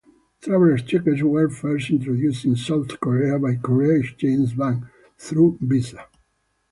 Travellers Cheques were first introduced in South Korea by Korea Exchange Bank, through Visa.